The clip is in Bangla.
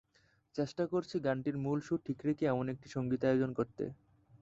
চেষ্টা করছি গানটির মূল সুর ঠিক রেখে এমন একটি সংগীতায়োজন করতে।